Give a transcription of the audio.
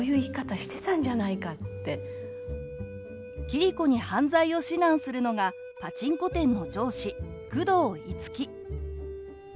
桐子に犯罪を指南するのがパチンコ店の上司久遠樹。